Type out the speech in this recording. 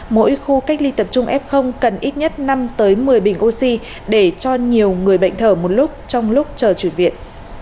mỗi khu cách ly tập trung f cần ít nhất năm một mươi bình oxy để cho nhiều người bệnh thở một lúc trong lúc chờ chuyển viện